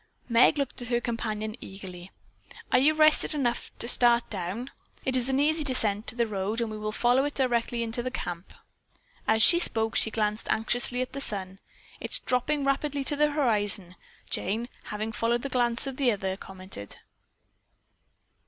Meg looked at her companion eagerly. "Are you rested enough now to start down? It is an easy descent to the road and we will follow it directly into the camp." As she spoke she glanced anxiously at the sun. "It is dropping rapidly to the horizon," Jane, having followed the glance of the other, commented.